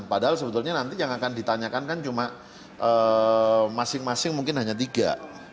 padahal sebetulnya nanti yang akan ditanyakan kan cuma masing masing mungkin hanya tiga